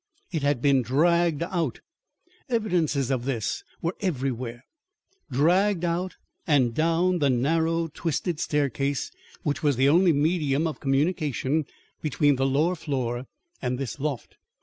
IT HAD BEEN DRAGGED OUT. Evidences of this were everywhere; dragged out, and down the narrow, twisted staircase which was the only medium of communication between the lower floor and this loft.